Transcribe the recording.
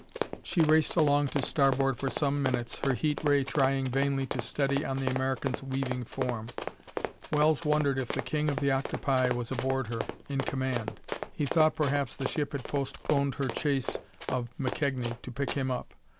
She raced along to starboard for some minutes, her heat ray trying vainly to steady on the American's weaving form. Wells wondered if the king of the octopi was aboard her, in command; he thought perhaps the ship had postponed her chase of McKegnie to pick him up.